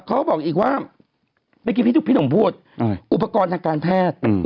เขาบอกอีกว่าเมื่อกี้พี่หนุ่มพูดอุปกรณ์ทางการแพทย์